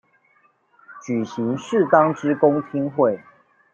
舉行適當之公聽會